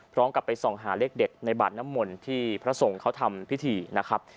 พร้อมกับไปส่องหาเลขเด็ดในบาดน้ำมนต์ที่พระสงฆ์เขาทำพิธีนะครับ